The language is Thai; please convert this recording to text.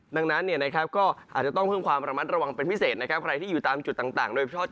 ดังนั้นก็อาจจะต้องเพิ่มความระมัดระวังเป็นพิเศษใครที่อยู่ตามจุดต่าง